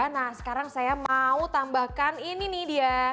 nah sekarang saya mau tambahkan ini nih dia